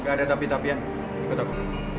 gak ada tapi tapian ikut aku